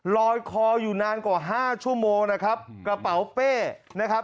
ลอยคออยู่นานกว่าห้าชั่วโมงนะครับกระเป๋าเป้นะครับ